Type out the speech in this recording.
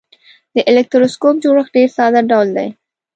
د الکتروسکوپ جوړښت ډیر ساده ډول دی.